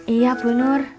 iya bu nur